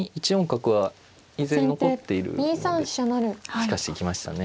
しかし行きましたね。